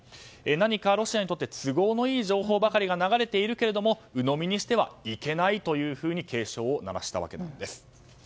何かロシアにとって都合のいい情報ばかりが流れているけれども鵜呑みにしてはいけないと警鐘を鳴らしたわけなんです。